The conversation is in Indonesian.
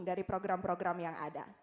dari program program yang ada